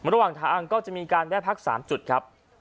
ระหว่างทางก็จะมีการแวะพัก๓จุดครับ